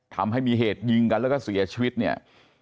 ทำให้มีเหตุยิงกันแล้วก็เสียชีวิตเนี่ย